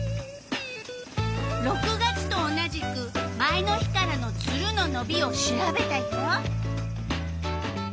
６月と同じく前の日からのツルののびを調べたよ。